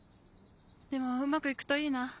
でもうまく行くといいな。